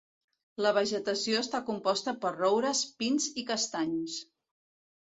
La vegetació està composta per roures, pins i castanys.